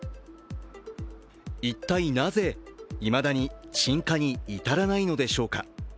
一体なぜ、いまだに鎮火に至らないのでしょうか。